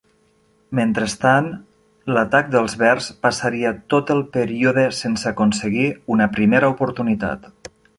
Mentrestant, l'atac dels Bears passaria tot el període sense aconseguir una primera oportunitat.